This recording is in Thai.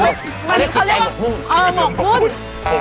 เขาเรียกจิตใจหมกมุ่ง